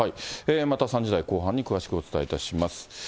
また３時台後半に詳しくお伝えいたします。